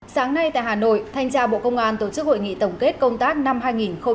sáng nay tại hà nội thanh tra bộ công an tổ chức hội nghị tổng kết công tác năm hai nghìn hai mươi ba